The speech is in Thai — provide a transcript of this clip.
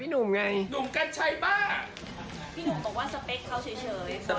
พี่หนุมบอกว่าสเปคเขาเฉย